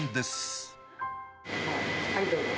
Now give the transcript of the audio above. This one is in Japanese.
はい、どうぞ。